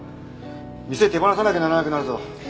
店手放さなきゃならなくなるぞ。